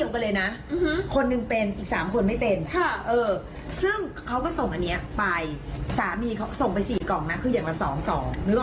ก็ต้องมีการตรวจเช็คว่าเอ้ยเป็นยังไงเชื้อโควิด๑๙